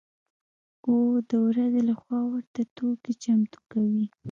و د ورځې له خوا ورته توکي چمتو کوي.